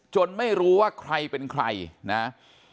ไม่รู้ว่าใครเป็นใครนะ